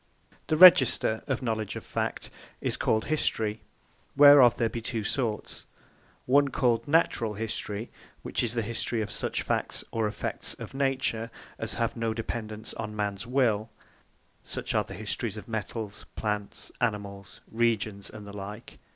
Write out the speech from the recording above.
The Register of Knowledge Of Fact is called History. Whereof there be two sorts: one called Naturall History; which is the History of such Facts, or Effects of Nature, as have no Dependance on Mans Will; Such as are the Histories of Metals, Plants, Animals, Regions, and the like.